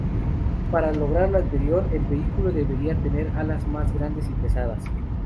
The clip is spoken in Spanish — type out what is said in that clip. Para lograr lo anterior, el vehículo debería tener alas más grandes y pesadas.